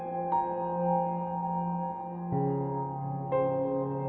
สวัสดีครับผมชื่อสามารถชานุบาลชื่อเล่นว่าขิงถ่ายหนังสุ่นแห่ง